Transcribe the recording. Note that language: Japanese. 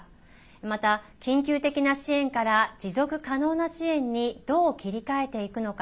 また、緊急的な支援から持続可能な支援にどう切り替えていくのか。